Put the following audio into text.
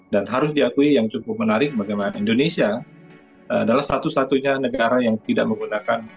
dan harus diakui yang cukup menarik bagaimana indonesia adalah satu satunya negara yang tidak menggunakan